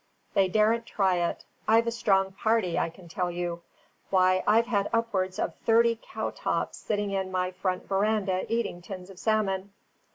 They daren't try it; I've a strong party, I can tell you. Why, I've had upwards of thirty cowtops sitting in my front verandah eating tins of salmon."